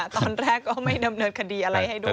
ตอนแรกก็ไม่ดำเนินคดีอะไรให้ด้วย